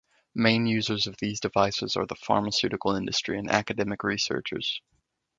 Main users of these devices are the pharmaceutical industry and academic researchers.